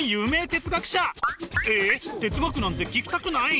哲学なんて聞きたくない？